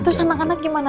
terus anak anak gimana